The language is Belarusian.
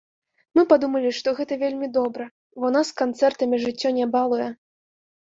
Мы падумалі, што гэта вельмі добра, бо нас канцэртамі жыццё не балуе.